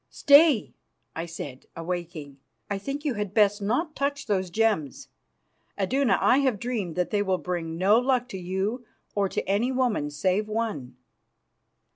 "Stay," I said, awaking. "I think you had best not touch those gems. Iduna, I have dreamed that they will bring no luck to you or to any woman, save one."